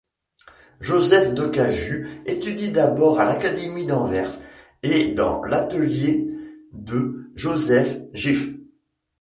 Joseph Ducaju étudie d'abord à l'Académie d'Anvers et dans l'atelier de Joseph Geefs.